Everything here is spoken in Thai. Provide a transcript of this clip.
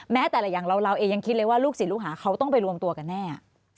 แม้แต่ละอย่างเราเองยังคิดเลยว่าลูกศิษย์ลูกหาเขาต้องไปรวมตัวกันแน่